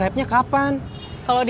dari sini bisa dasault enam k mts